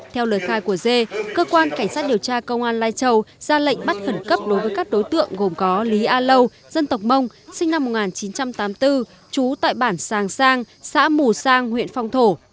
theo lời khai của dê cơ quan cảnh sát điều tra công an lai châu ra lệnh bắt khẩn cấp đối với các đối tượng gồm có lý a lâu dân tộc mông sinh năm một nghìn chín trăm tám mươi bốn trú tại bản sàng sang xã mù sang huyện phong thổ